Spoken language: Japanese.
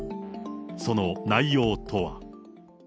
その内容とは。